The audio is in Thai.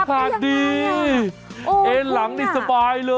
ขาดดีเอ็นหลังนี่สบายเลย